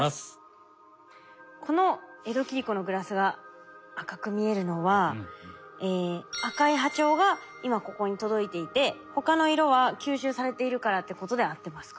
この江戸切子のグラスが赤く見えるのは赤い波長が今ここに届いていて他の色は吸収されているからってことで合ってますか？